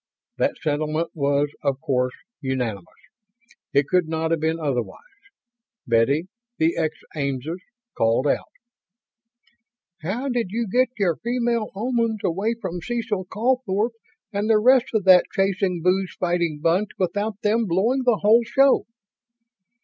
That sentiment was, of course, unanimous. It could not have been otherwise. Betty, the ex Ames, called out: "How did you get their female Omans away from Cecil Calthorpe and the rest of that chasing, booze fighting bunch without them blowing the whole show?"